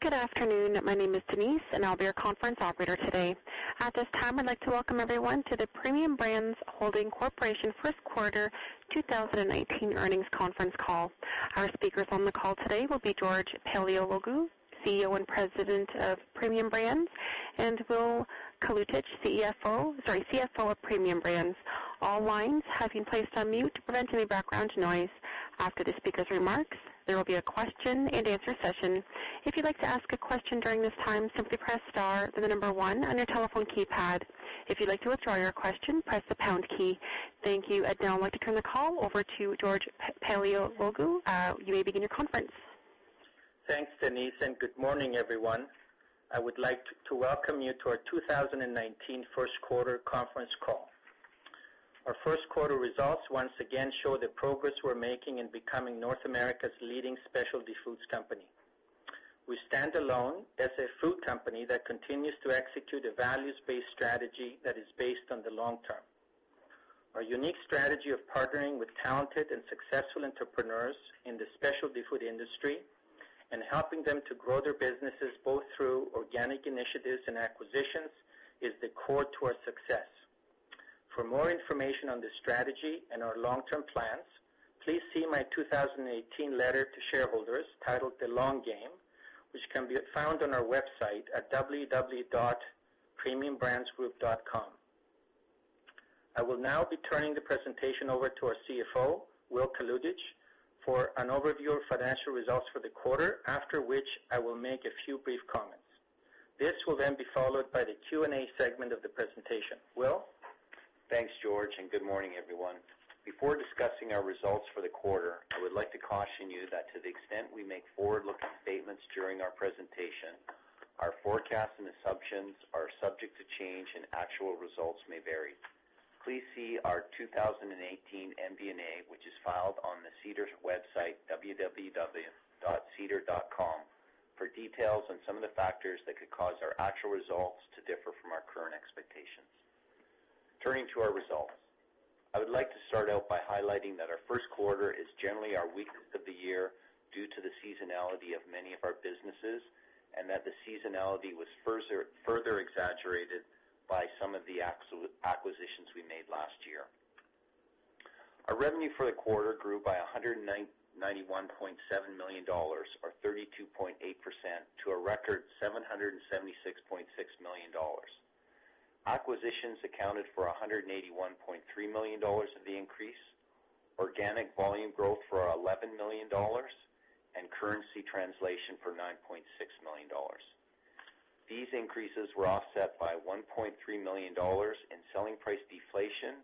Good afternoon. My name is Denise, I'll be your conference operator today. At this time, I'd like to welcome everyone to the Premium Brands Holdings Corporation First Quarter 2019 Earnings Conference Call. Our speakers on the call today will be George Paleologou, CEO and President of Premium Brands, and Will Kalutycz, CFO of Premium Brands. All lines have been placed on mute to prevent any background noise. After the speakers' remarks, there will be a question-and-answer session. If you'd like to ask a question during this time, simply press star, then the number one on your telephone keypad. If you'd like to withdraw your question, press the pound key. Thank you. I'd now like to turn the call over to George Paleologou. You may begin your conference. Thanks, Denise. Good morning, everyone. I would like to welcome you to our 2019 first quarter conference call. Our first quarter results once again show the progress we're making in becoming North America's leading specialty foods company. We stand alone as a food company that continues to execute a values-based strategy that is based on the long term. Our unique strategy of partnering with talented and successful entrepreneurs in the specialty food industry and helping them to grow their businesses, both through organic initiatives and acquisitions, is the core to our success. For more information on this strategy and our long-term plans, please see my 2018 letter to shareholders titled "The Long Game," which can be found on our website at www.premiumbrandsgroup.com. I will now be turning the presentation over to our CFO, Will Kalutycz, for an overview of financial results for the quarter, after which I will make a few brief comments. This will be followed by the Q&A segment of the presentation. Will? Thanks, George. Good morning, everyone. Before discussing our results for the quarter, I would like to caution you that to the extent we make forward-looking statements during our presentation, our forecasts and assumptions are subject to change and actual results may vary. Please see our 2018 MD&A, which is filed on the SEDAR website, www.SEDAR, for details on some of the factors that could cause our actual results to differ from our current expectations. Turning to our results. I would like to start out by highlighting that our first quarter is generally our weakest of the year due to the seasonality of many of our businesses, and that the seasonality was further exaggerated by some of the acquisitions we made last year. Our revenue for the quarter grew by 191.7 million dollars or 32.8% to a record 776.6 million dollars. Acquisitions accounted for 181.3 million dollars of the increase, organic volume growth for 11 million dollars and currency translation for 9.6 million dollars. These increases were offset by 1.3 million dollars in selling price deflation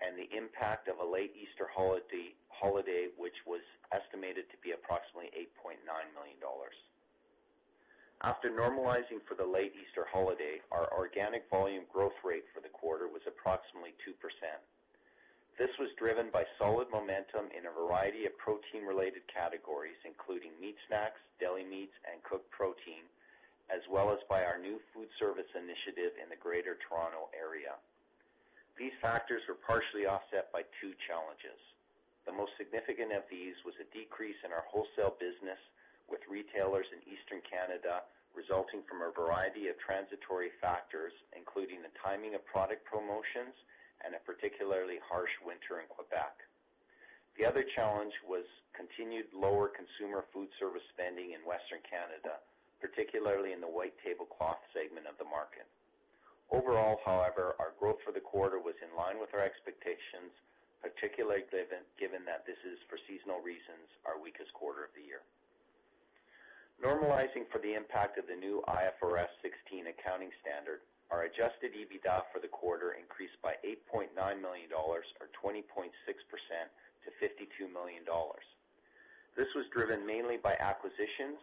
and the impact of a late Easter holiday, which was estimated to be approximately 8.9 million dollars. After normalizing for the late Easter holiday, our organic volume growth rate for the quarter was approximately 2%. This was driven by solid momentum in a variety of protein-related categories, including meat snacks, deli meats and cooked protein, as well as by our new food service initiative in the Greater Toronto Area. These factors were partially offset by two challenges. The most significant of these was a decrease in our wholesale business with retailers in Eastern Canada, resulting from a variety of transitory factors, including the timing of product promotions and a particularly harsh winter in Quebec. The other challenge was continued lower consumer food service spending in Western Canada, particularly in the white tablecloth segment of the market. Overall, our growth for the quarter was in line with our expectations, particularly given that this is for seasonal reasons our weakest quarter of the year. Normalizing for the impact of the new IFRS 16 accounting standard, our adjusted EBITDA for the quarter increased by 8.9 million dollars or 20.6% to 52 million dollars. This was driven mainly by acquisitions,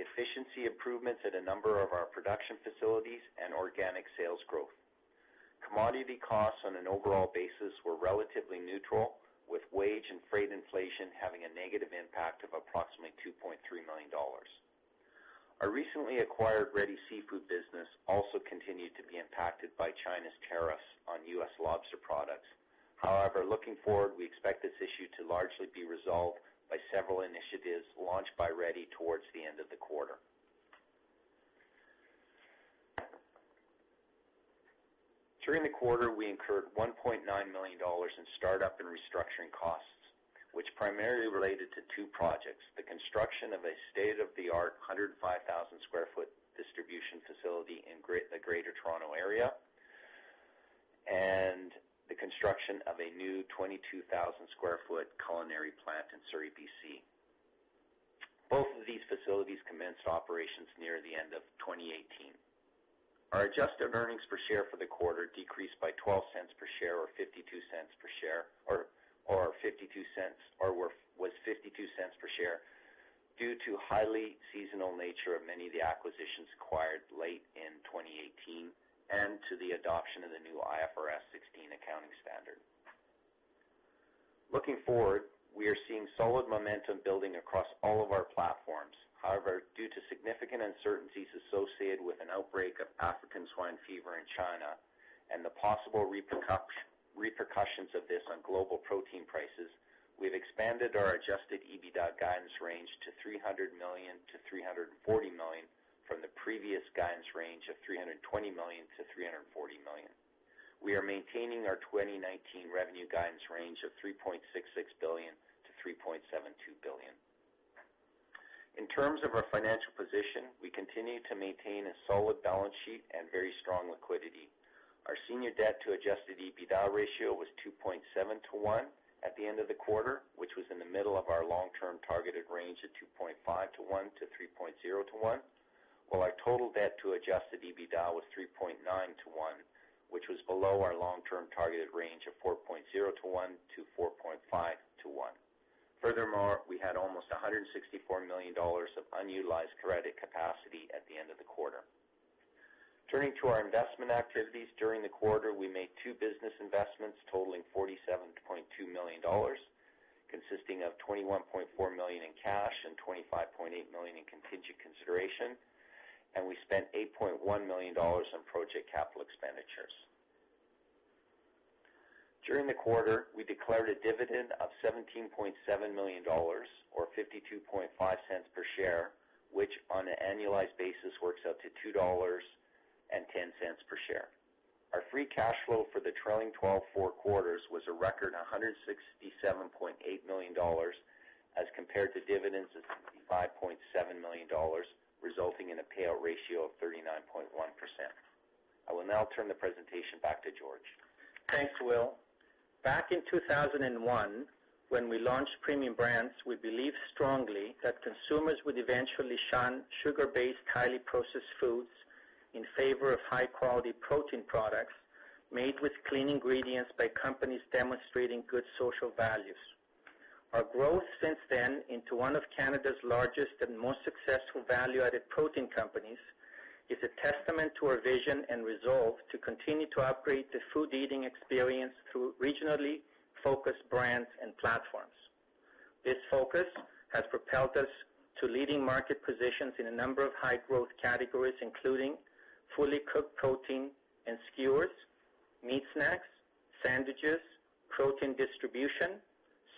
efficiency improvements at a number of our production facilities and organic sales growth. Commodity costs on an overall basis were relatively neutral, with wage and freight inflation having a negative impact of approximately 2.3 million dollars. Our recently acquired Ready Seafood business also continued to be impacted by China's tariffs on U.S. lobster products. Looking forward, we expect this issue to largely be resolved by several initiatives launched by Ready towards the end of the quarter. During the quarter, we incurred 1.9 million dollars in start-up and restructuring costs, which primarily related to two projects, the construction of a state-of-the-art 105,000 sq ft distribution facility in the Greater Toronto Area and the construction of a new 22,000 sq ft culinary plant in Surrey, B.C. Both of these facilities commenced operations near the end of 2018. Our adjusted earnings per share for the quarter decreased by 0.12 per share or 0.52 per share, or was 0.52 per share due to highly seasonal nature of many of the acquisitions acquired late in 2018 and to the adoption of the new IFRS 16 accounting standard. Looking forward, we are seeing solid momentum building across all of our platforms. Due to significant uncertainties associated with an outbreak of African swine fever in China and the possible repercussions of this on global protein prices We've expanded our adjusted EBITDA guidance range to 300 million-340 million from the previous guidance range of 320 million-340 million. We are maintaining our 2019 revenue guidance range of 3.66 billion-3.72 billion. In terms of our financial position, we continue to maintain a solid balance sheet and very strong liquidity. Our senior debt to adjusted EBITDA ratio was 2.7 to 1 at the end of the quarter, which was in the middle of our long-term targeted range of 2.5 to 1 to 3.0 to 1. While our total debt to adjusted EBITDA was 3.9 to 1, which was below our long-term targeted range of 4.0 to 1 to 4.5 to 1. Furthermore, we had almost 164 million dollars of unutilized credit capacity at the end of the quarter. Turning to our investment activities during the quarter, we made two business investments totaling 47.2 million dollars, consisting of 21.4 million in cash and 25.8 million in contingent consideration, and we spent 8.1 million dollars on project capital expenditures. During the quarter, we declared a dividend of 17.7 million dollars, or 0.525 per share, which on an annualized basis works out to 2.10 dollars per share. Our free cash flow for the trailing 12 four quarters was a record 167.8 million dollars as compared to dividends of 65.7 million dollars, resulting in a payout ratio of 39.1%. I will now turn the presentation back to George. Thanks, Will. Back in 2001, when we launched Premium Brands, we believed strongly that consumers would eventually shun sugar-based, highly processed foods in favor of high-quality protein products made with clean ingredients by companies demonstrating good social values. Our growth since then into one of Canada's largest and most successful value-added protein companies is a testament to our vision and resolve to continue to upgrade the food eating experience through regionally focused brands and platforms. This focus has propelled us to leading market positions in a number of high-growth categories, including fully cooked protein and skewers, meat snacks, sandwiches, protein distribution,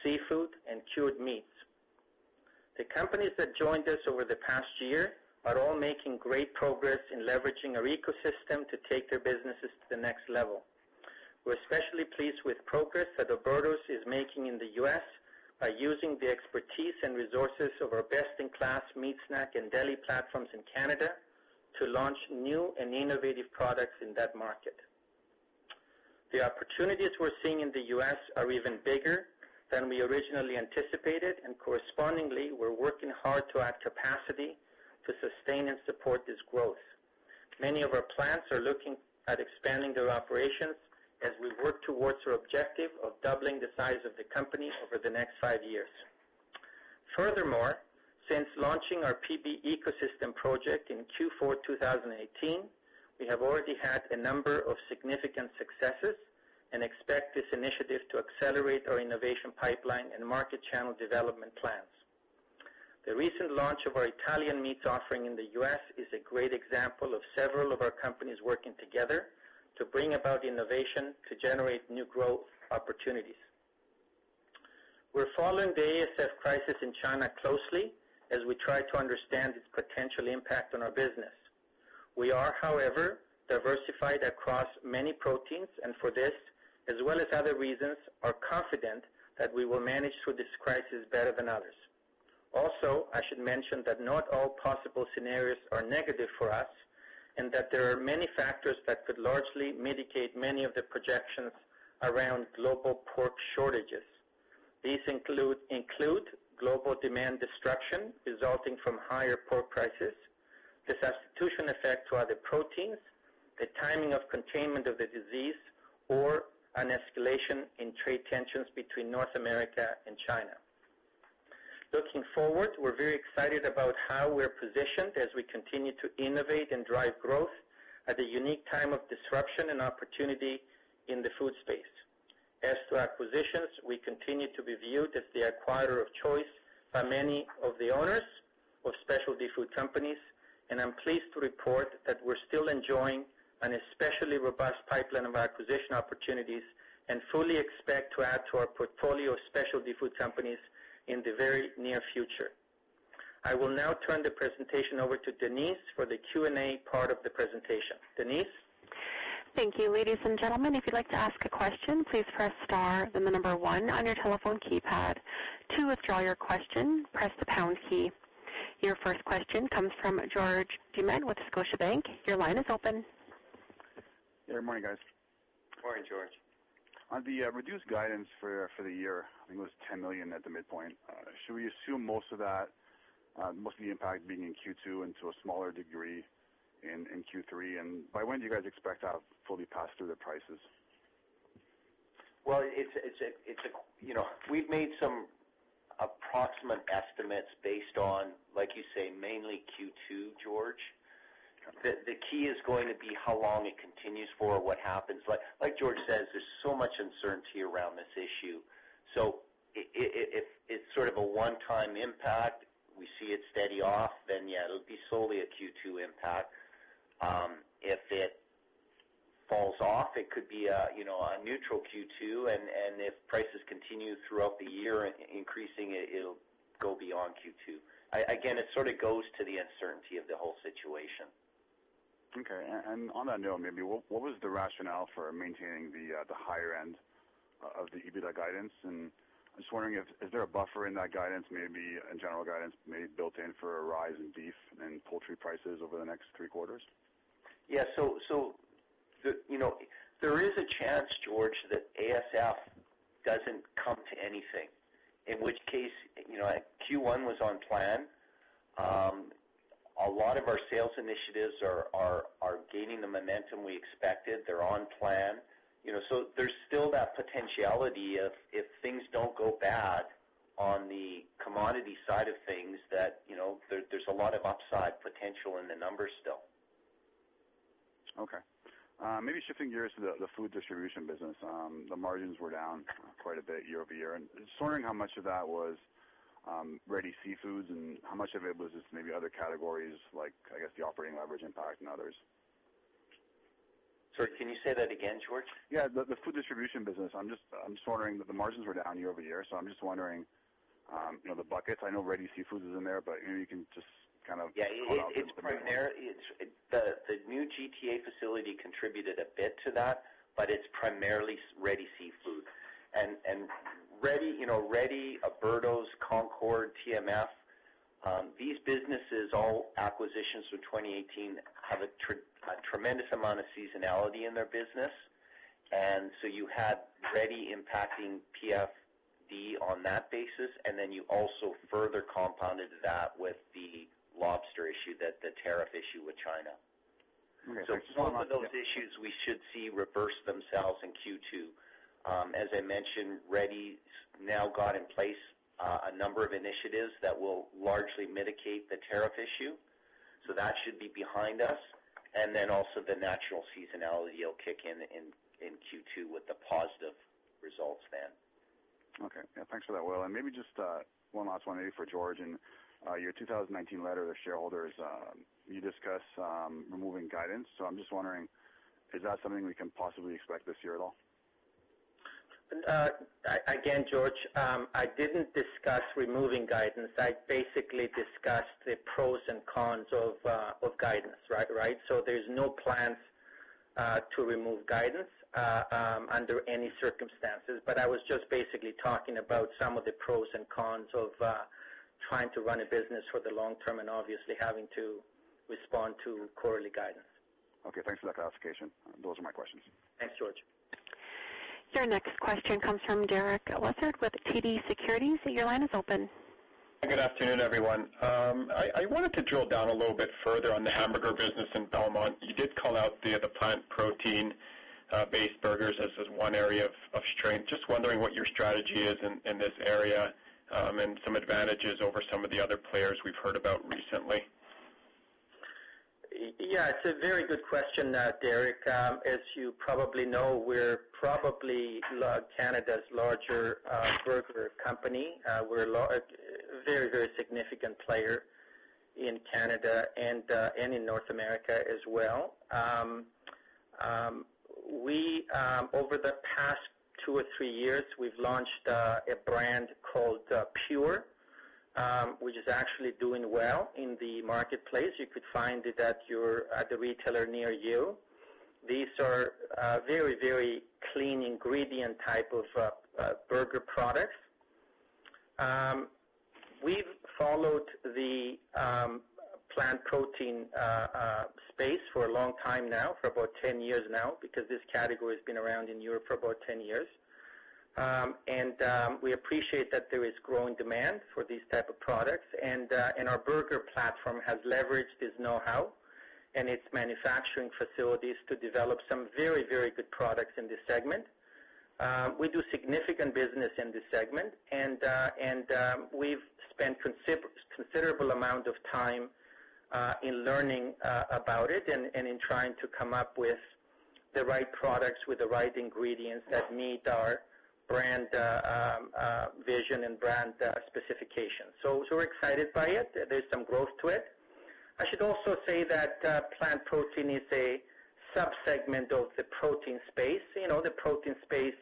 seafood, and cured meats. The companies that joined us over the past year are all making great progress in leveraging our Ecosystem to take their businesses to the next level. We're especially pleased with progress that Alberto's is making in the U.S. by using the expertise and resources of our best-in-class meat snack and deli platforms in Canada to launch new and innovative products in that market. The opportunities we're seeing in the U.S. are even bigger than we originally anticipated, and correspondingly, we're working hard to add capacity to sustain and support this growth. Many of our plants are looking at expanding their operations as we work towards our objective of doubling the size of the company over the next five years. Furthermore, since launching our PB Ecosystem project in Q4 2018, we have already had a number of significant successes and expect this initiative to accelerate our innovation pipeline and market channel development plans. The recent launch of our Italian meats offering in the U.S. is a great example of several of our companies working together to bring about innovation to generate new growth opportunities. We're following the ASF crisis in China closely as we try to understand its potential impact on our business. We are, however, diversified across many proteins, and for this, as well as other reasons, are confident that we will manage through this crisis better than others. I should mention that not all possible scenarios are negative for us, and that there are many factors that could largely mitigate many of the projections around global pork shortages. These include global demand destruction resulting from higher pork prices, the substitution effect to other proteins, the timing of containment of the disease, or an escalation in trade tensions between North America and China. Looking forward, we're very excited about how we're positioned as we continue to innovate and drive growth at a unique time of disruption and opportunity in the food space. As to acquisitions, we continue to be viewed as the acquirer of choice by many of the owners of specialty food companies, and I'm pleased to report that we're still enjoying an especially robust pipeline of acquisition opportunities and fully expect to add to our portfolio of specialty food companies in the very near future. I will now turn the presentation over to Denise for the Q&A part of the presentation. Denise? Thank you. Ladies and gentlemen, if you'd like to ask a question, please press star then the number 1 on your telephone keypad. To withdraw your question, press the pound key. Your first question comes from George Doumet with Scotiabank. Your line is open. Good morning, guys. Good morning, George. On the reduced guidance for the year, I think it was 10 million at the midpoint. Should we assume most of the impact being in Q2 and to a smaller degree in Q3? By when do you guys expect to have fully passed through the prices? Well, we've made some approximate estimates based on, like you say, mainly Q2, George. The key is going to be how long it continues for or what happens. Like George says, there's so much uncertainty around this issue. If it's sort of a one-time impact, we see it steady off, then yeah, it'll be solely a Q2 impact. falls off. It could be a neutral Q2, if prices continue throughout the year increasing, it'll go beyond Q2. Again, it sort of goes to the uncertainty of the whole situation. On that note, maybe what was the rationale for maintaining the higher end of the EBITDA guidance? I was wondering if, is there a buffer in that guidance maybe, in general guidance maybe built in for a rise in beef and poultry prices over the next three quarters? Yeah. There is a chance, George, that ASF doesn't come to anything. In which case, Q1 was on plan. A lot of our sales initiatives are gaining the momentum we expected. They're on plan. There's still that potentiality if things don't go bad on the commodity side of things, that there's a lot of upside potential in the numbers still. Okay. Maybe shifting gears to the Premium Food Distribution business. The margins were down quite a bit year-over-year. Just wondering how much of that was Ready Seafood and how much of it was just maybe other categories like, I guess, the operating leverage impact and others. Sorry, can you say that again, George? Yeah. The Food Distribution Business. I'm just wondering, the margins were down year-over-year. I'm just wondering the buckets. I know Ready Seafood is in there, if you can just kind of call out the- Yeah. The new GTA facility contributed a bit to that. It's primarily Ready Seafood. Ready, Alberto's, Concord, TMF, these businesses, all acquisitions from 2018, have a tremendous amount of seasonality in their business. You had Ready impacting PFD on that basis. You also further compounded that with the lobster issue, the tariff issue with China. Okay. Thanks so much. Both of those issues we should see reverse themselves in Q2. As I mentioned, Ready's now got in place a number of initiatives that will largely mitigate the tariff issue. That should be behind us. Also the natural seasonality will kick in in Q2 with the positive results then. Okay. Yeah, thanks for that, Will. Maybe just one last one maybe for George. In your 2019 letter to shareholders, you discuss removing guidance. I'm just wondering, is that something we can possibly expect this year at all? Again, George, I didn't discuss removing guidance. I basically discussed the pros and cons of guidance, right? There's no plans to remove guidance under any circumstances. I was just basically talking about some of the pros and cons of trying to run a business for the long term and obviously having to respond to quarterly guidance. Okay, thanks for that clarification. Those are my questions. Thanks, George. Your next question comes from Derek Lessard with TD Securities. Your line is open. Good afternoon, everyone. I wanted to drill down a little bit further on the hamburger business in Belmont. You did call out the plant protein-based burgers as one area of strength. Just wondering what your strategy is in this area, and some advantages over some of the other players we've heard about recently. Yeah. It's a very good question, Derek. As you probably know, we're probably Canada's larger burger company. We're a very significant player in Canada and in North America as well. Over the past two or three years, we've launched a brand called Pure, which is actually doing well in the marketplace. You could find it at the retailer near you. These are very clean ingredient type of burger products. We've followed the plant protein space for a long time now, for about 10 years now, because this category has been around in Europe for about 10 years. We appreciate that there is growing demand for these type of products. Our burger platform has leveraged its knowhow and its manufacturing facilities to develop some very good products in this segment. We do significant business in this segment, and we've spent considerable amount of time in learning about it and in trying to come up with the right products with the right ingredients that meet our brand vision and brand specifications. We're excited by it. There's some growth to it. I should also say that plant protein is a sub-segment of the protein space. The protein space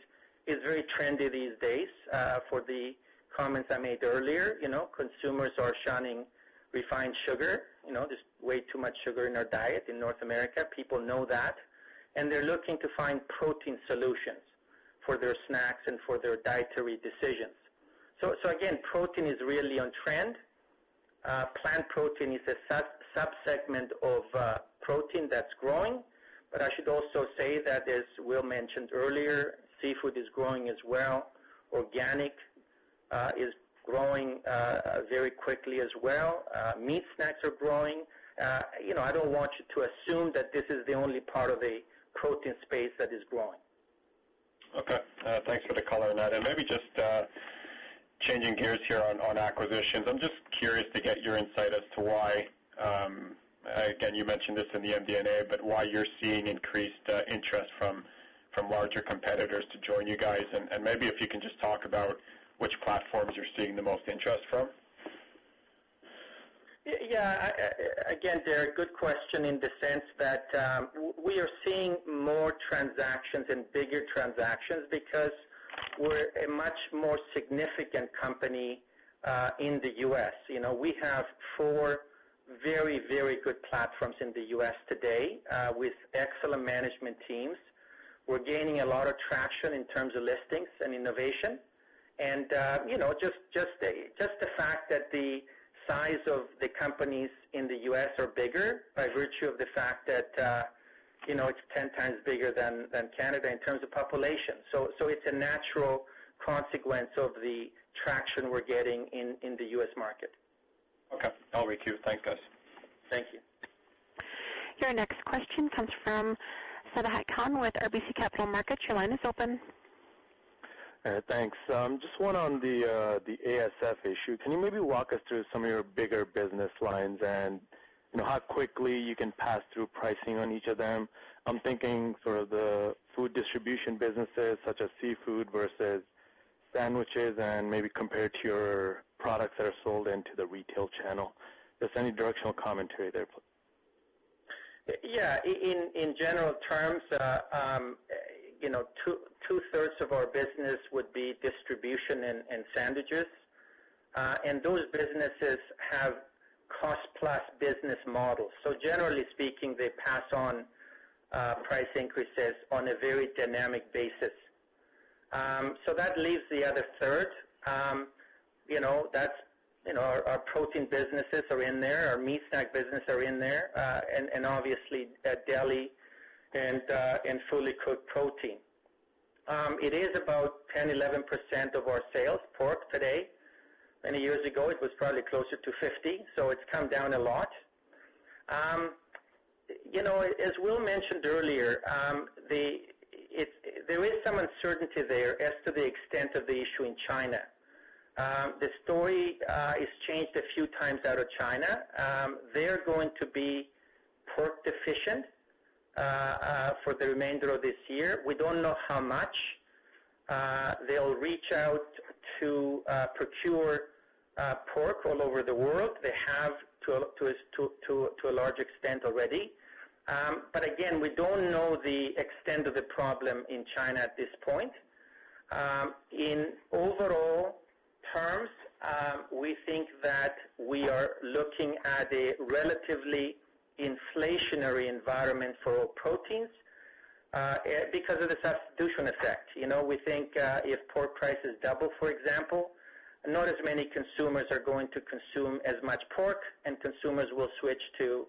is very trendy these days. For the comments I made earlier, consumers are shunning refined sugar. There's way too much sugar in our diet in North America. People know that, they're looking to find protein solutions for their snacks and for their dietary decisions. Again, protein is really on trend. Plant protein is a sub-segment of protein that's growing. I should also say that as Will mentioned earlier, seafood is growing as well. Organic is growing very quickly as well. Meat snacks are growing. I don't want you to assume that this is the only part of a protein space that is growing. Okay. Thanks for the color on that. Maybe just changing gears here on acquisitions. I'm just curious to get your insight as to why, again, you mentioned this in the MD&A, but why you're seeing increased interest from larger competitors to join you guys. Maybe if you can just talk about which platforms you're seeing the most interest from. Yeah. Again, Derek, good question in the sense that we are seeing more transactions and bigger transactions because we're a much more significant company in the U.S. We have four very good platforms in the U.S. today with excellent management teams. We're gaining a lot of traction in terms of listings and innovation and just the fact that the size of the companies in the U.S. are bigger by virtue of the fact that it's 10 times bigger than Canada in terms of population. It's a natural consequence of the traction we're getting in the U.S. market. Okay. All right. Thank you. Thank you. Your next question comes from Sabahat Khan with RBC Capital Markets. Your line is open. Thanks. Just one on the ASF issue. Can you maybe walk us through some of your bigger business lines and how quickly you can pass through pricing on each of them? I'm thinking sort of the food distribution businesses such as seafood versus sandwiches and maybe compare it to your products that are sold into the retail channel. Just any directional commentary there. Yeah. In general terms, two-thirds of our business would be distribution and sandwiches. Those businesses have cost-plus business models. Generally speaking, they pass on price increases on a very dynamic basis. That leaves the other third. Our protein businesses are in there, our meat snack business are in there, and obviously deli and fully cooked protein. It is about 10, 11% of our sales, pork today. Many years ago, it was probably closer to 50, so it's come down a lot. As Will mentioned earlier, there is some uncertainty there as to the extent of the issue in China. The story is changed a few times out of China. They're going to be pork deficient for the remainder of this year. We don't know how much. They'll reach out to procure pork all over the world. They have to a large extent already. Again, we don't know the extent of the problem in China at this point. In overall terms, we think that we are looking at a relatively inflationary environment for all proteins because of the substitution effect. We think if pork prices double, for example, not as many consumers are going to consume as much pork and consumers will switch to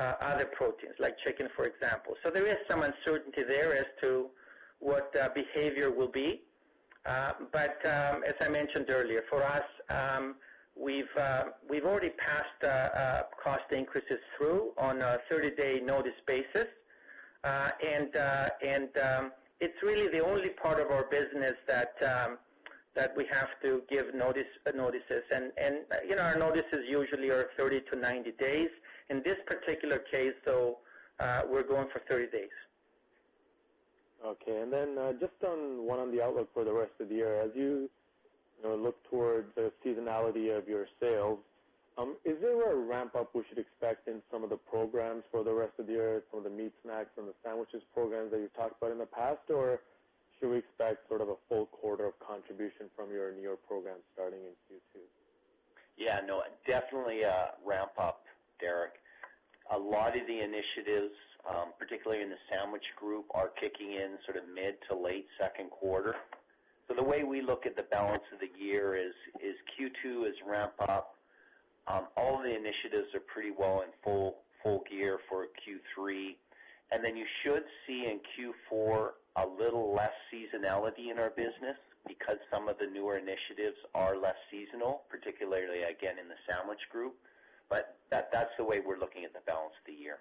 other proteins like chicken, for example. There is some uncertainty there as to what behavior will be. As I mentioned earlier, for us, we've already passed cost increases through on a 30-day notice basis. It's really the only part of our business that we have to give notices. Our notices usually are 30 to 90 days. In this particular case, though, we're going for 30 days. Okay. Just one on the outlook for the rest of the year. As you look towards the seasonality of your sales, is there a ramp up we should expect in some of the programs for the rest of the year from the meat snacks and the sandwiches programs that you've talked about in the past? Should we expect sort of a full quarter of contribution from your newer programs starting in Q2? Yeah. No, definitely a ramp up, Derek. A lot of the initiatives, particularly in the sandwich group, are kicking in sort of mid to late second quarter. The way we look at the balance of the year is Q2 is ramp up. All the initiatives are pretty well in full gear for Q3. You should see in Q4 a little less seasonality in our business because some of the newer initiatives are less seasonal, particularly again in the sandwich group. That's the way we're looking at the balance of the year.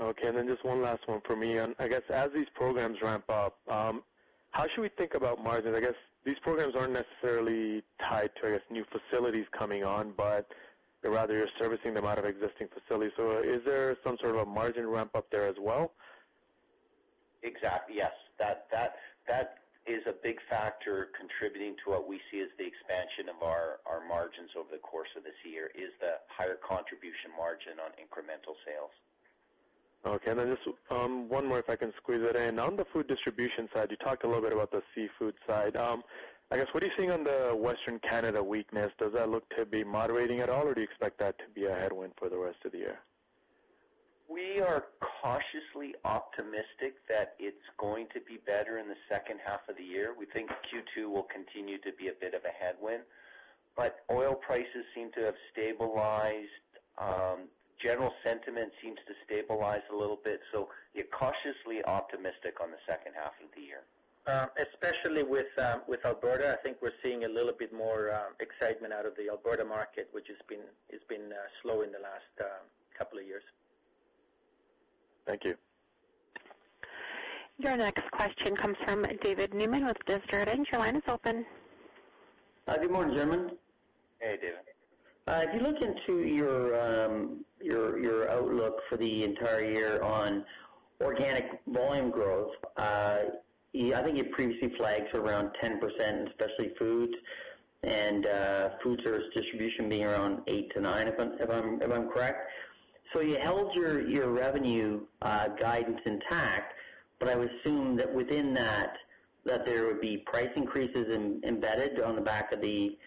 Okay. Just one last one for me. I guess as these programs ramp up, how should we think about margin? I guess these programs aren't necessarily tied to, I guess, new facilities coming on, but rather you're servicing them out of existing facilities. Is there some sort of a margin ramp up there as well? Exactly. Yes. That is a big factor contributing to what we see as the expansion of our margins over the course of this year is the higher contribution margin on incremental sales. Okay. Just one more, if I can squeeze it in. On the food distribution side, you talked a little bit about the seafood side. I guess, what are you seeing on the Western Canada weakness? Does that look to be moderating at all, or do you expect that to be a headwind for the rest of the year? We are cautiously optimistic that it's going to be better in the second half of the year. We think Q2 will continue to be a bit of a headwind. Oil prices seem to have stabilized. General sentiment seems to stabilize a little bit. You're cautiously optimistic on the second half of the year. Especially with Alberta. I think we're seeing a little bit more excitement out of the Alberta market, which has been slow in the last couple of years. Thank you. Your next question comes from David Newman with Desjardins. Your line is open. Good morning, gentlemen. Hey, David. If you look into your outlook for the entire year on organic volume growth, I think you previously flagged for around 10%, especially foods and food service distribution being around 8%-9%, if I'm correct. You held your revenue guidance intact, but I would assume that within that, there would be price increases embedded on the back of the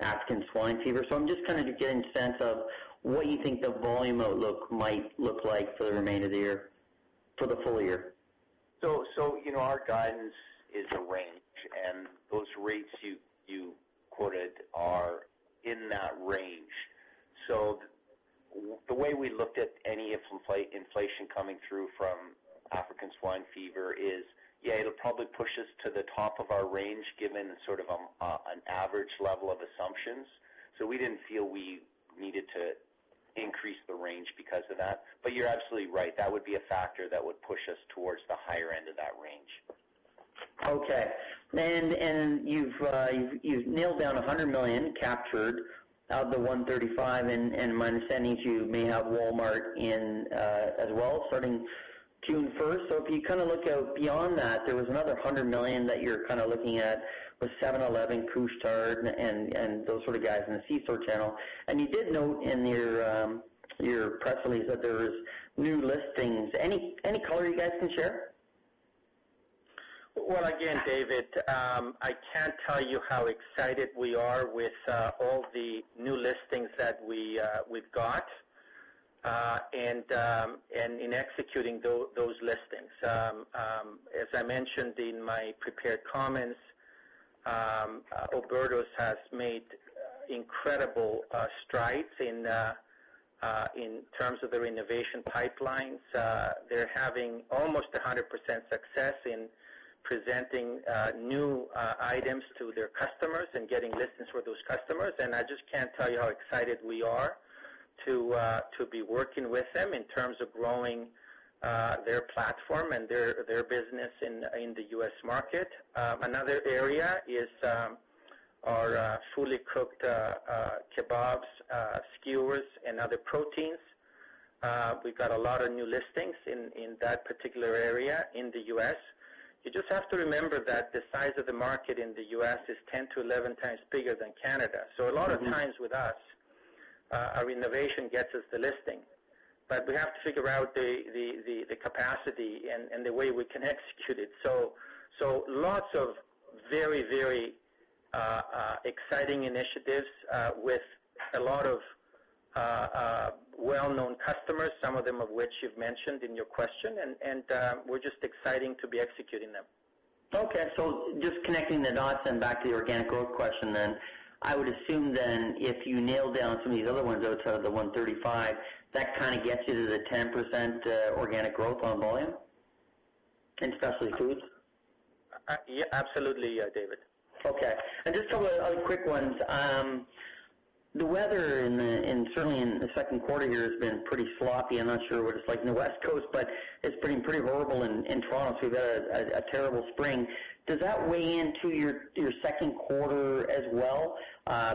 African swine fever. I'm just kind of getting a sense of what you think the volume outlook might look like for the remainder of the year, for the full year. Our guidance is a range, and those rates you quoted are in that range. The way we looked at any inflation coming through from African swine fever is, yeah, it'll probably push us to the top of our range given sort of an average level of assumptions. We didn't feel we needed to increase the range because of that. You're absolutely right. That would be a factor that would push us towards the higher end of that range. Okay. You've nailed down 100 million captured out of the 135, and my understanding is you may have Walmart in as well, starting June 1st. If you look out beyond that, there was another 100 million that you're kind of looking at with 7-Eleven, Couche-Tard, and those sort of guys in the C-store channel. You did note in your press release that there was new listings. Any color you guys can share? Well, again, David, I can't tell you how excited we are with all the new listings that we've got and in executing those listings. As I mentioned in my prepared comments, Alberto's has made incredible strides in terms of their innovation pipelines. They're having almost 100% success in presenting new items to their customers and getting listings for those customers. I just can't tell you how excited we are to be working with them in terms of growing their platform and their business in the U.S. market. Another area is our fully cooked kebabs, skewers, and other proteins. We've got a lot of new listings in that particular area in the U.S. You just have to remember that the size of the market in the U.S. is 10-11 times bigger than Canada. A lot of times with us, our innovation gets us the listing, but we have to figure out the capacity and the way we can execute it. Lots of very exciting initiatives with a lot of well-known customers, some of them of which you've mentioned in your question, and we're just exciting to be executing them. Connecting the dots then back to the organic growth question then, I would assume then if you nail down some of these other ones outside of the 135, that kind of gets you to the 10% organic growth on volume in specialty foods? Absolutely. Yeah, David. Just a couple of other quick ones. The weather certainly in the second quarter here has been pretty sloppy. I'm not sure what it's like in the West Coast, but it's been pretty horrible in Toronto. We've had a terrible spring. Does that weigh into your second quarter as well,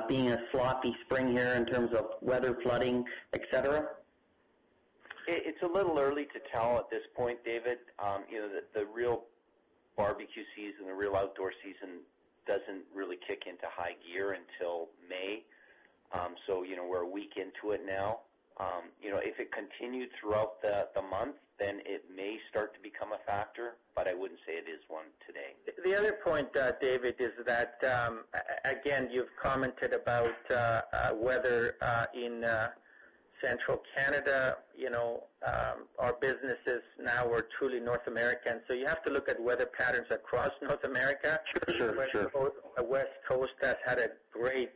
being a sloppy spring here in terms of weather, flooding, et cetera? It's a little early to tell at this point, David. The real barbecue season, the real outdoor season doesn't really kick into high gear until May. We're a week into it now. If it continued throughout the month, it may start to become a factor, but I wouldn't say it is one today. The other point, David, is that, again, you've commented about weather in Central Canada. Our businesses now are truly North American, you have to look at weather patterns across North America. Sure. Sure. The West Coast has had a great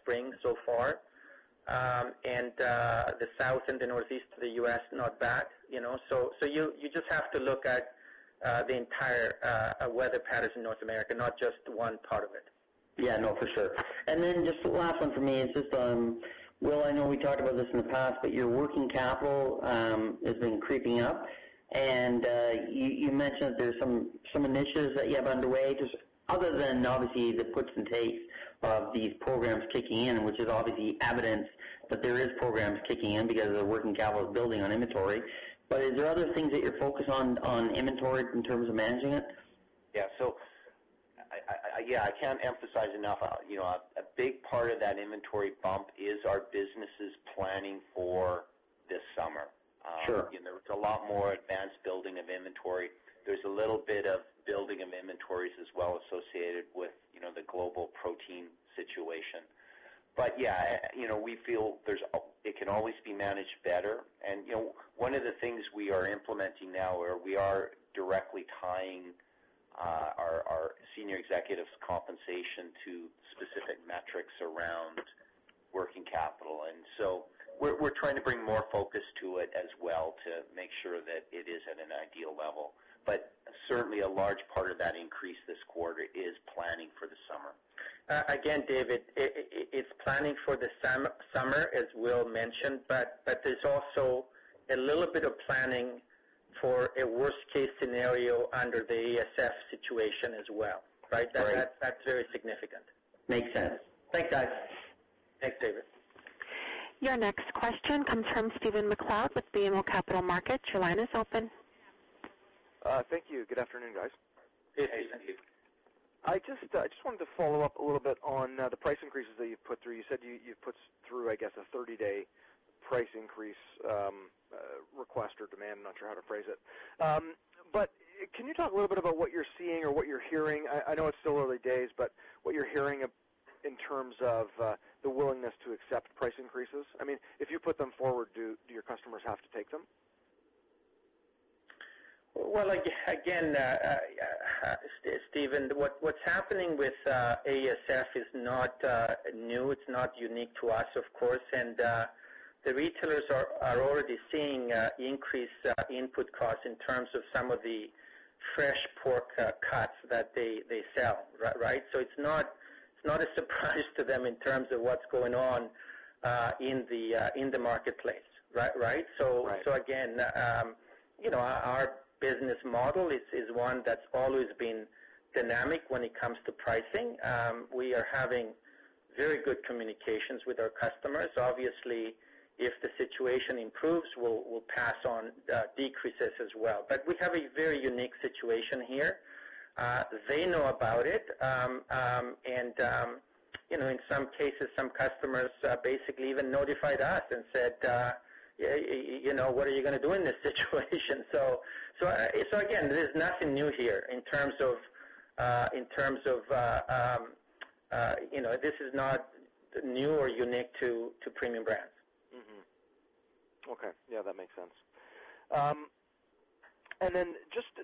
spring so far. The South and the Northeast of the U.S., not bad. You just have to look at the entire weather patterns in North America, not just one part of it. Yeah, no, for sure. Just the last one for me is just, Will, I know we talked about this in the past, your working capital has been creeping up, and you mentioned that there's some initiatives that you have underway. Just other than obviously the puts and takes of these programs kicking in, which is obviously evidence that there is programs kicking in because the working capital is building on inventory. Is there other things that you're focused on inventory in terms of managing it? Yeah. I can't emphasize enough. A big part of that inventory bump is our businesses planning for this summer. Sure. There was a lot more advanced building of inventory. There's a little bit of building of inventories as well associated with the global protein situation. Yeah, we feel it can always be managed better. One of the things we are implementing now where we are directly tying our senior executives' compensation to specific metrics around working capital. We are trying to bring more focus to it as well to make sure that it is at an ideal level. Certainly a large part of that increase this quarter is planning for the summer. Again, David, it's planning for the summer, as Will mentioned, but there's also a little bit of planning for a worst-case scenario under the ASF situation as well. Right? Right. That's very significant. Makes sense. Thanks, guys. Thanks, David. Your next question comes from Stephen MacLeod with BMO Capital Markets. Your line is open. Thank you. Good afternoon, guys. Hey, Stephen. I just wanted to follow up a little bit on the price increases that you've put through. You said you put through, I guess, a 30-day price increase request or demand, I'm not sure how to phrase it. Can you talk a little bit about what you're seeing or what you're hearing? I know it's still early days, but what you're hearing in terms of the willingness to accept price increases. If you put them forward, do your customers have to take them? Well, again, Stephen, what's happening with ASF is not new. It's not unique to us, of course. The retailers are already seeing increased input costs in terms of some of the fresh pork cuts that they sell, right? It's not a surprise to them in terms of what's going on in the marketplace, right? Right. Again, our business model is one that's always been dynamic when it comes to pricing. We are having very good communications with our customers. Obviously, if the situation improves, we'll pass on decreases as well. We have a very unique situation here. They know about it. In some cases, some customers basically even notified us and said, "What are you going to do in this situation?" Again, there's nothing new here. This is not new or unique to Premium Brands. Mm-hmm. Okay. Yeah, that makes sense.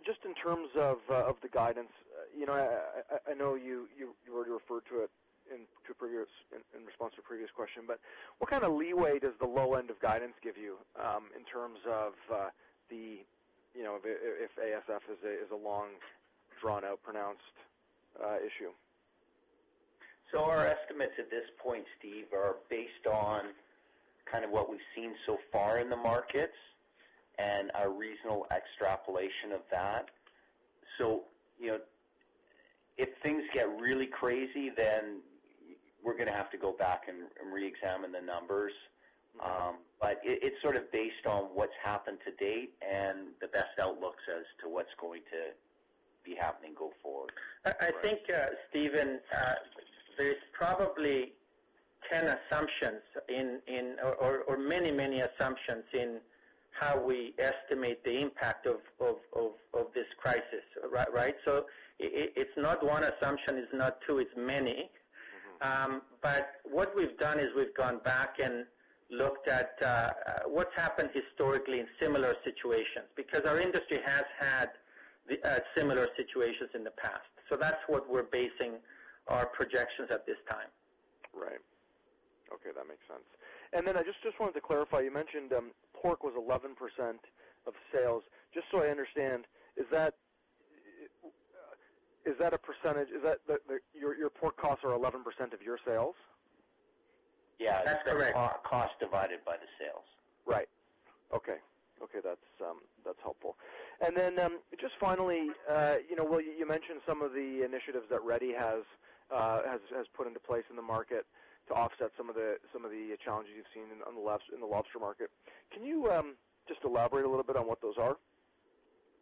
Just in terms of the guidance. I know you already referred to it in response to a previous question, but what kind of leeway does the low end of guidance give you, in terms of if ASF is a long, drawn-out pronounced issue? Our estimates to this point, Steve, are based on what we've seen so far in the markets and a reasonable extrapolation of that. If things get really crazy, then we're going to have to go back and reexamine the numbers. It's sort of based on what's happened to date and the best outlooks as to what's going to be happening go forward. I think, Stephen, there's probably 10 assumptions or many assumptions in how we estimate the impact of this crisis, right? It's not one assumption, it's not two, it's many. What we've done is we've gone back and looked at what's happened historically in similar situations, because our industry has had similar situations in the past. That's what we're basing our projections at this time. Right. Okay. That makes sense. I just wanted to clarify, you mentioned pork was 11% of sales. Just so I understand, is that a percentage? Your pork costs are 11% of your sales? Yeah. That's correct. Cost divided by the sales. Right. Okay. That's helpful. Just finally, you mentioned some of the initiatives that Ready has put into place in the market to offset some of the challenges you've seen in the lobster market. Can you just elaborate a little bit on what those are?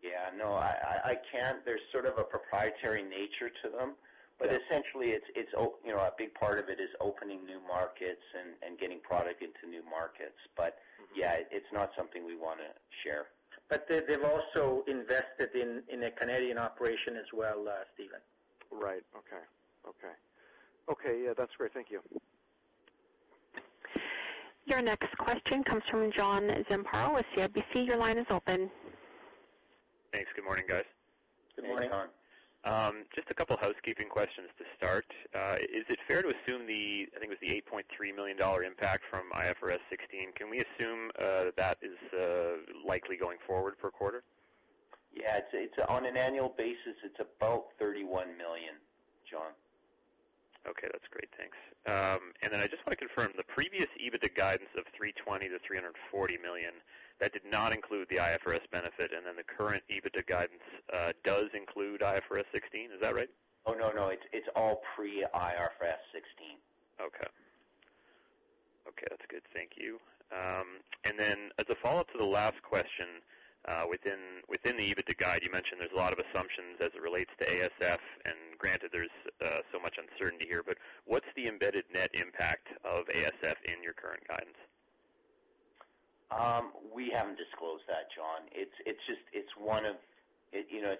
Yeah. No, I can't. There's sort of a proprietary nature to them. Essentially, a big part of it is opening new markets and getting product into new markets. Yeah, it's not something we want to share. They've also invested in a Canadian operation as well, Stephen. Right. Okay. Okay, yeah, that's great. Thank you. Your next question comes from John Zamparo with CIBC. Your line is open. Thanks. Good morning, guys. Good morning. Hey, John. Just a couple of housekeeping questions to start. Is it fair to assume the, I think it was the 8.3 million dollar impact from IFRS 16, can we assume that is likely going forward per quarter? Yeah. On an annual basis, it's about 31 million, John. Okay. That's great. Thanks. I just want to confirm, the previous EBITDA guidance of 320 million-340 million, that did not include the IFRS benefit, the current EBITDA guidance does include IFRS 16. Is that right? Oh, no. It's all pre-IFRS 16. Okay. That's good. Thank you. As a follow-up to the last question, within the EBITDA guide, you mentioned there's a lot of assumptions as it relates to ASF, granted there's so much uncertainty here, what's the embedded net impact of ASF in your current guidance? We haven't disclosed that, John. It's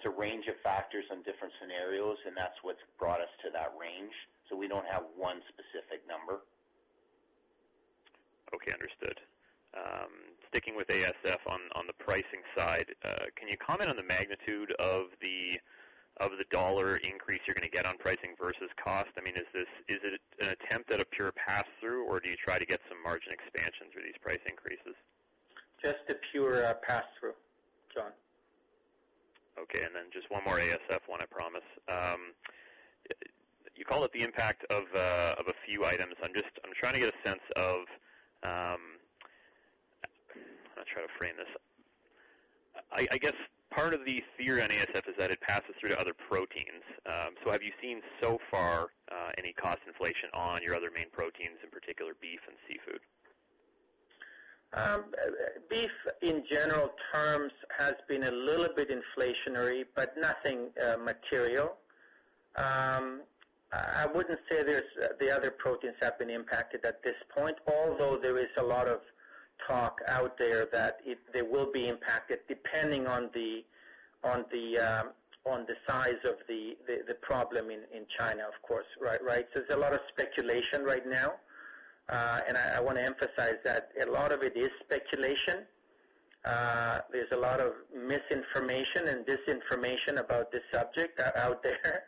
a range of factors on different scenarios, and that's what's brought us to that range. We don't have one specific number. Okay. Understood. Sticking with ASF on the pricing side, can you comment on the magnitude of the dollar increase you're going to get on pricing versus cost? Is it an attempt at a pure pass-through, do you try to get some margin expansion through these price increases? Just a pure pass-through, John. Okay. Just one more ASF one, I promise. You call it the impact of a few items. I'm trying to get a sense of I'm going to try to frame this. I guess part of the fear on ASF is that it passes through to other proteins. Have you seen so far any cost inflation on your other main proteins, in particular, beef and seafood? Beef, in general terms, has been a little bit inflationary, but nothing material. I wouldn't say the other proteins have been impacted at this point, although there is a lot of talk out there that they will be impacted depending on the size of the problem in China, of course, right? There's a lot of speculation right now. I want to emphasize that a lot of it is speculation. There's a lot of misinformation and disinformation about this subject out there.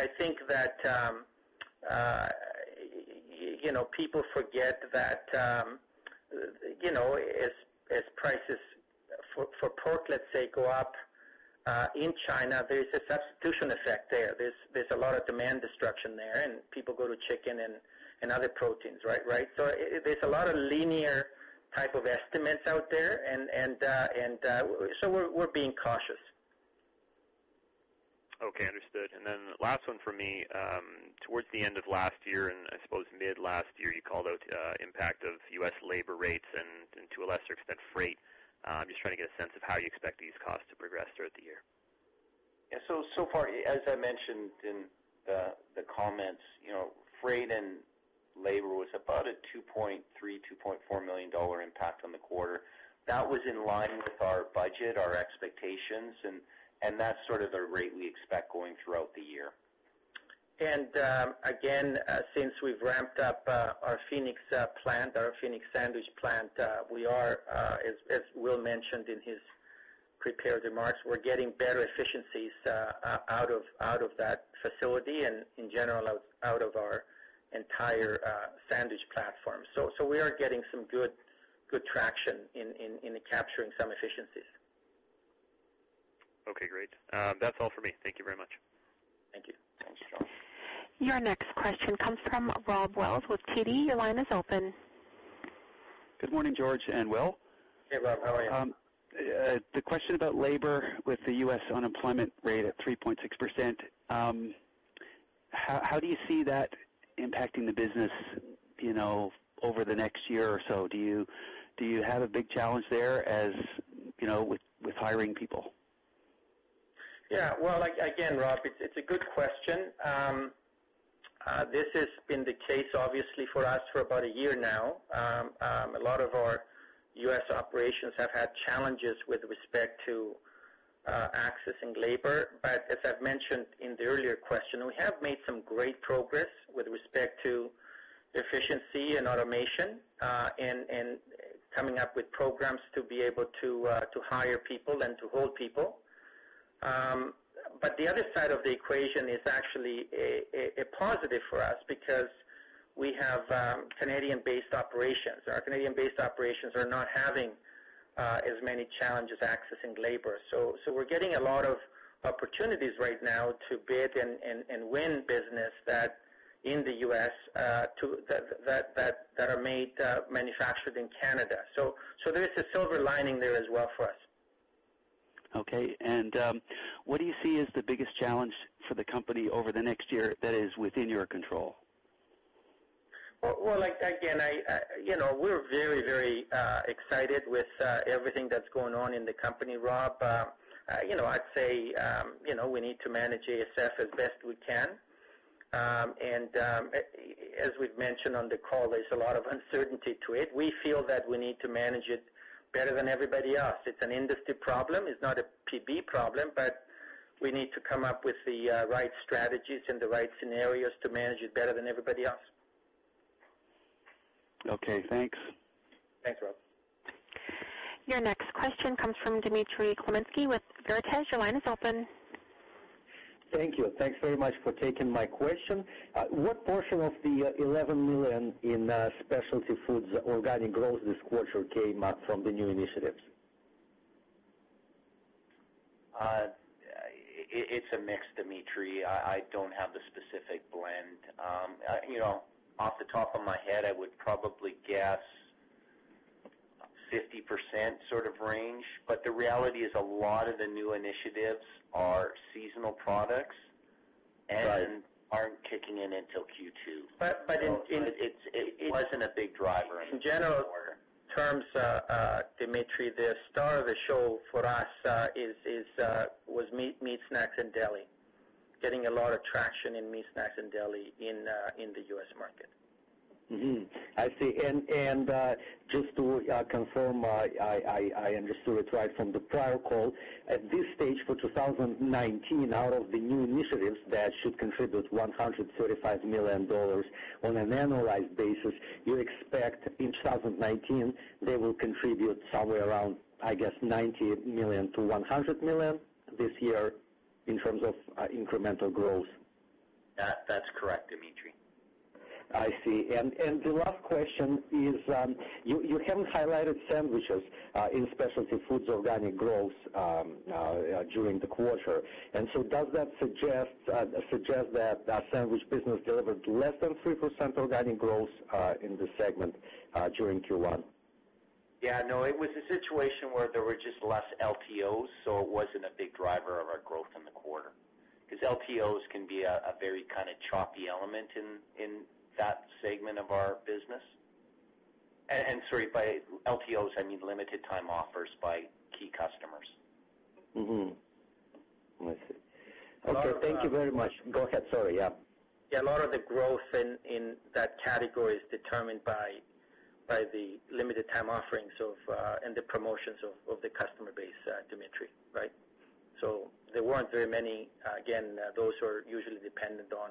I think that people forget that as prices for pork, let's say, go up in China, there is a substitution effect there. There's a lot of demand destruction there, and people go to chicken and other proteins, right? There's a lot of linear type of estimates out there, and so we're being cautious. Okay, understood. Then last one for me. Towards the end of last year, and I suppose mid last year, you called out impact of U.S. labor rates and to a lesser extent, freight. I'm just trying to get a sense of how you expect these costs to progress throughout the year. So far, as I mentioned in the comments, freight and labor was about a 2.3 million-2.4 million dollar impact on the quarter. That was in line with our budget, our expectations, and that's sort of the rate we expect going throughout the year. Again, since we've ramped up our Phoenix plant, our Phoenix sandwich plant, we are, as Will mentioned in his prepared remarks, we're getting better efficiencies out of that facility and in general, out of our entire sandwich platform. We are getting some good traction in capturing some efficiencies. Okay, great. That's all for me. Thank you very much. Thank you. Your next question comes from Rob Wells with TD. Your line is open. Good morning, George and Will. Hey, Rob. How are you? The question about labor with the U.S. unemployment rate at 3.6%, how do you see that impacting the business over the next year or so? Do you have a big challenge there with hiring people? Yeah. Well, again, Rob, it's a good question. This has been the case obviously for us for about a year now. A lot of our U.S. operations have had challenges with respect to accessing labor. As I've mentioned in the earlier question, we have made some great progress with respect to efficiency and automation, and coming up with programs to be able to hire people and to hold people. The other side of the equation is actually a positive for us because we have Canadian-based operations. Our Canadian-based operations are not having as many challenges accessing labor. We're getting a lot of opportunities right now to bid and win business that in the U.S. that are manufactured in Canada. There is a silver lining there as well for us. Okay. What do you see as the biggest challenge for the company over the next year that is within your control? Well, again, we're very excited with everything that's going on in the company, Rob. I'd say we need to manage ASF as best we can. As we've mentioned on the call, there's a lot of uncertainty to it. We feel that we need to manage it better than everybody else. It's an industry problem. It's not a PB problem, we need to come up with the right strategies and the right scenarios to manage it better than everybody else. Okay, thanks. Thanks, Rob. Your next question comes from Dimitry Khmelnitsky with Veritas. Your line is open. Thank you. Thanks very much for taking my question. What portion of the 11 million in specialty foods organic growth this quarter came up from the new initiatives? It's a mix, Dimitry. I don't have the specific blend. Off the top of my head, I would probably guess 50% sort of range. The reality is a lot of the new initiatives are seasonal products and- Right aren't kicking in until Q2. in- It wasn't a big driver in Q4. general terms, Dimitry, the star of the show for us was meat snacks and deli. Getting a lot of traction in meat snacks and deli in the U.S. market. I see. Just to confirm I understood it right from the prior call. At this stage for 2019, out of the new initiatives that should contribute 135 million dollars on an annualized basis, you expect in 2019 they will contribute somewhere around, I guess, 90 million-100 million this year in terms of incremental growth? That's correct, Dimitry. I see. The last question is, you haven't highlighted sandwiches in specialty foods organic growth during the quarter. Does that suggest that the sandwich business delivered less than 3% organic growth in this segment during Q1? Yeah, no, it was a situation where there were just less LTOs, so it wasn't a big driver of our growth in the quarter. LTOs can be a very choppy element in that segment of our business. Sorry, by LTOs, I mean Limited-Time Offers by key customers. I see. Okay. Thank you very much. Go ahead. Sorry. Yeah. A lot of the growth in that category is determined by the Limited-Time Offers and the promotions of the customer base, Dmitry. There weren't very many. Again, those are usually dependent on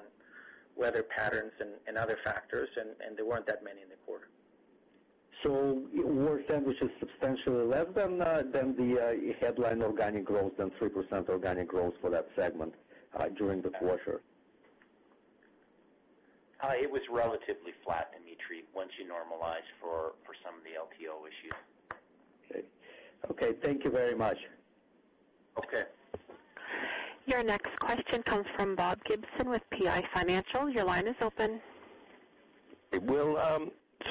weather patterns and other factors, there weren't that many in the quarter. Were sandwiches substantially less than the headline organic growth, than 3% organic growth for that segment during the quarter? It was relatively flat, Dmitry, once you normalize for some of the LTO issues. Thank you very much. Okay. Your next question comes from Bob Gibson with PI Financial. Your line is open. Well,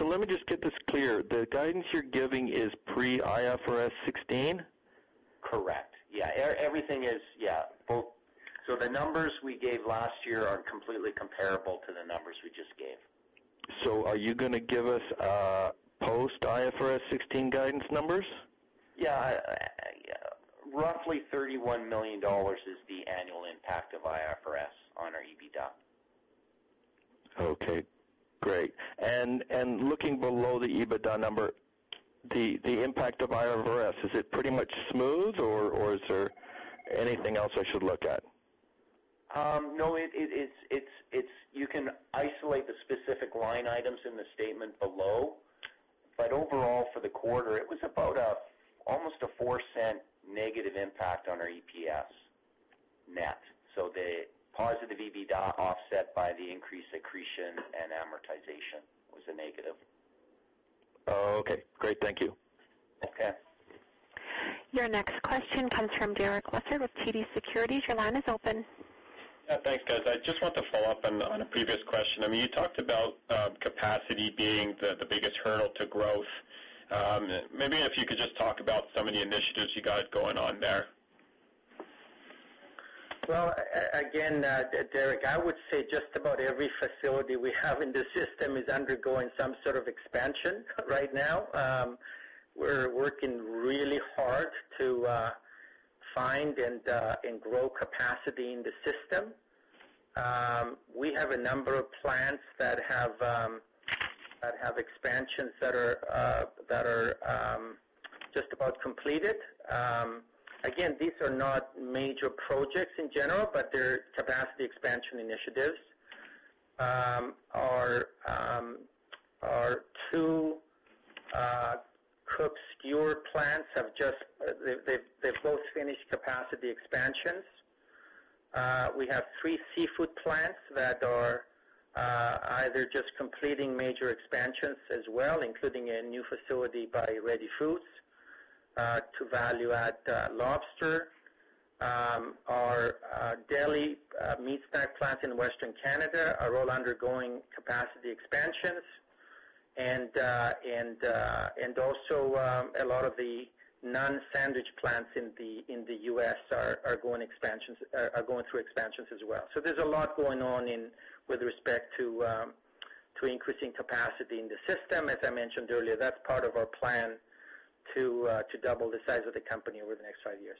let me just get this clear. The guidance you're giving is pre IFRS 16? Correct. Yeah. The numbers we gave last year are completely comparable to the numbers we just gave. Are you going to give us post IFRS 16 guidance numbers? Yeah. Roughly 31 million dollars is the annual impact of IFRS on our EBITDA. Okay, great. Looking below the EBITDA number, the impact of IFRS, is it pretty much smooth, or is there anything else I should look at? No, you can isolate the specific line items in the statement below. Overall, for the quarter, it was about almost a 0.04 negative impact on our EPS net. The positive EBITDA offset by the increased accretion and amortization was a negative. Oh, okay. Great. Thank you. Okay. Your next question comes from Derek Lessard with TD Securities. Your line is open. Yeah, thanks, guys. I just want to follow up on a previous question. You talked about capacity being the biggest hurdle to growth. Maybe if you could just talk about some of the initiatives you guys going on there. Well, again, Derek Lessard, I would say just about every facility we have in the system is undergoing some sort of expansion right now. We're working really hard to find and grow capacity in the system. We have a number of plants that have expansions that are just about completed. Again, these are not major projects in general, but they're capacity expansion initiatives. Our two cooked skewer plants, they've both finished capacity expansions. We have three seafood plants that are either just completing major expansions as well, including a new facility by Ready Seafood to value-add lobster. Our deli meat snack plant in Western Canada are all undergoing capacity expansions. A lot of the non-sandwich plants in the U.S. are going through expansions as well. There's a lot going on with respect to increasing capacity in the system. As I mentioned earlier, that's part of our plan to double the size of the company over the next five years.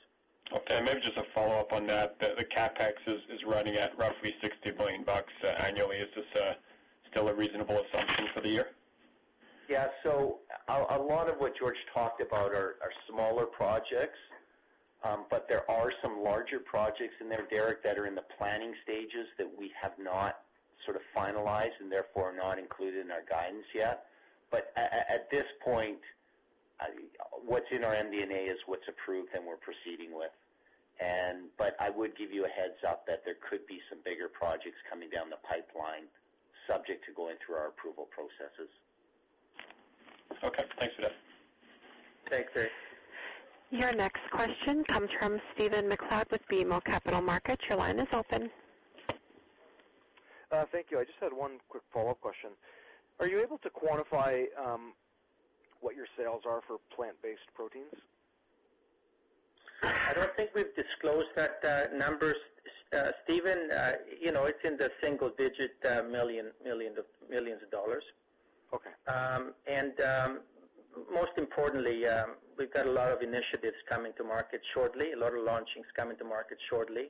Maybe just a follow-up on that. The CapEx is running at roughly 60 million bucks annually. Is this still a reasonable assumption for the year? Yeah. A lot of what George talked about are smaller projects. There are some larger projects in there, Derek, that are in the planning stages that we have not finalized and therefore not included in our guidance yet. At this point, what's in our MD&A is what's approved and we're proceeding with. I would give you a heads up that there could be some bigger projects coming down the pipeline subject to going through our approval processes. Thanks for that. Thanks, Derek. Your next question comes from Stephen MacLeod with BMO Capital Markets. Your line is open. Thank you. I just had one quick follow-up question. Are you able to quantify what your sales are for plant-based proteins? I don't think we've disclosed that numbers, Stephen. It's in the single digit millions. Okay. Most importantly, we've got a lot of initiatives coming to market shortly, a lot of launchings coming to market shortly.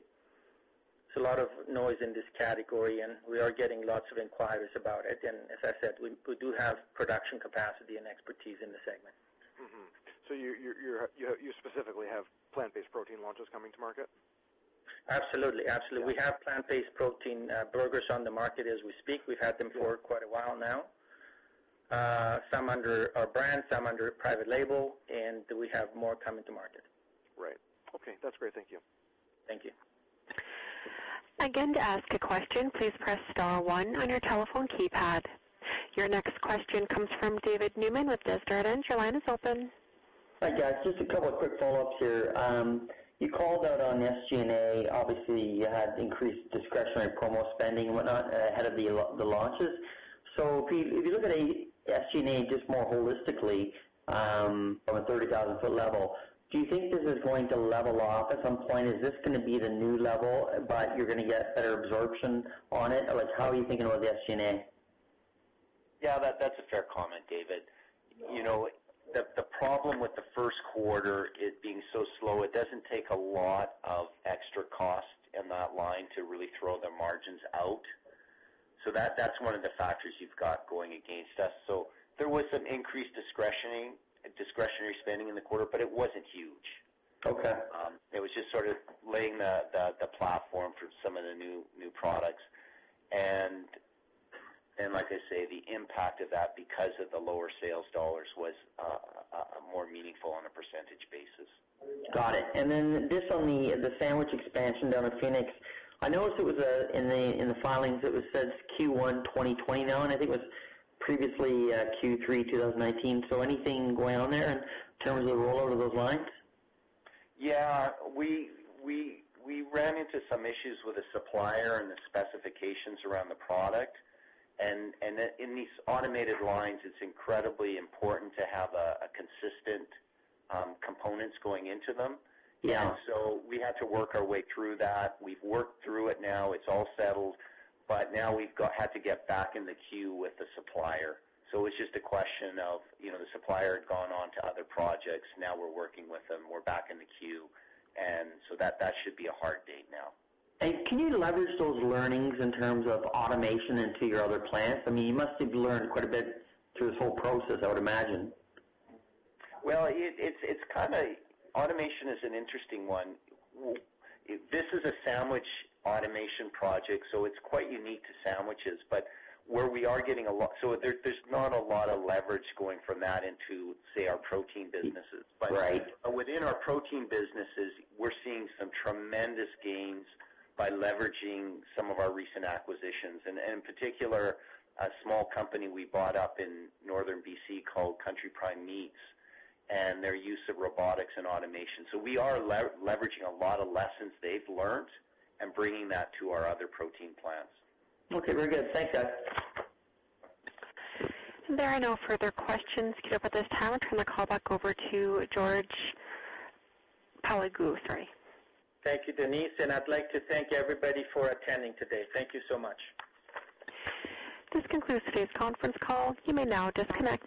There's a lot of noise in this category, and we are getting lots of inquiries about it. As I said, we do have production capacity and expertise in the segment. Mm-hmm. You specifically have plant-based protein launches coming to market? Absolutely. We have plant-based protein burgers on the market as we speak. We've had them for quite a while. Some under our brand, some under private label, we have more coming to market. Right. Okay, that's great. Thank you. Thank you. Again, to ask a question, please press star one on your telephone keypad. Your next question comes from David Newman with Desjardins. Your line is open. Hi, guys. Just a couple of quick follow-ups here. You called out on SG&A. Obviously, you had increased discretionary promo spending and whatnot ahead of the launches. If you look at SG&A just more holistically from a 30,000-foot level, do you think this is going to level off at some point? Is this going to be the new level, but you're going to get better absorption on it? How are you thinking about the SG&A? Yeah, that's a fair comment, David. The problem with the first quarter, it being so slow, it doesn't take a lot of extra cost in that line to really throw the margins out. That's one of the factors you've got going against us. There was some increased discretionary spending in the quarter, but it wasn't huge. Okay. It was just sort of laying the platform for some of the new products. Like I say, the impact of that, because of the lower sales dollars, was more meaningful on a percentage basis. Got it. Just on the sandwich expansion down in Phoenix, I noticed in the filings, it said Q1 2020 now, I think it was previously Q3 2019. Anything going on there in terms of the rollover of those lines? Yeah. We ran into some issues with a supplier and the specifications around the product, in these automated lines, it's incredibly important to have consistent components going into them. Yeah. We had to work our way through that. We've worked through it now. It's all settled, now we've had to get back in the queue with the supplier. It's just a question of the supplier had gone on to other projects. Now we're working with them. We're back in the queue, that should be a hard date now. Can you leverage those learnings in terms of automation into your other plants? You must have learned quite a bit through this whole process, I would imagine. Well, automation is an interesting one. This is a sandwich automation project, it's quite unique to sandwiches. There's not a lot of leverage going from that into, say, our protein businesses. Right. Within our protein businesses, we're seeing some tremendous gains by leveraging some of our recent acquisitions, and in particular, a small company we bought up in northern B.C. called Country Prime Meats, and their use of robotics and automation. We are leveraging a lot of lessons they've learned and bringing that to our other protein plants. Okay. Very good. Thanks, guys. There are no further questions queued up at this time. I turn the call back over to George Paleologou. Sorry. Thank you, Denise. I'd like to thank everybody for attending today. Thank you so much. This concludes today's conference call. You may now disconnect.